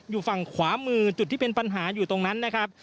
อยู่ฝั่งขวามือจุดที่เป็นปัญหาอยู่ตรงนั้นนะครับ